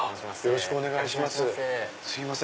よろしくお願いします。